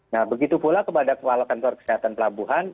nah begitu pula kepada kepala kantor kesehatan pelabuhan